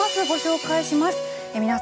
ご紹介します。